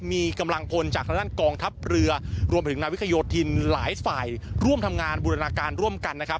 มีกำลังพลจากทางด้านกองทัพเรือรวมถึงนาวิกโยธินหลายฝ่ายร่วมทำงานบูรณาการร่วมกันนะครับ